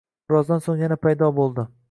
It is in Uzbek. Birozdan so`ng yana paydo bo`ldi